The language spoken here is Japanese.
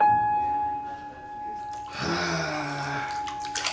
はあ。